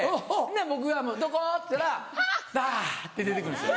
僕が「どこ？」って言ったら「ばぁ！」って出て来るんですよ。